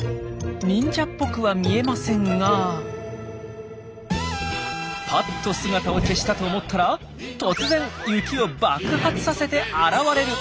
忍者っぽくは見えませんがぱっと姿を消したと思ったら突然雪を爆発させて現れる！